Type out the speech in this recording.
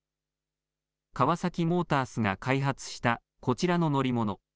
カワサキモータースが開発したこちらの乗り物。